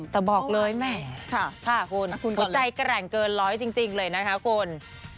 แต่บอกเลยแหมค่ะคุณก็ใจแกร่งเกินร้อยจริงเลยนะคะคุณ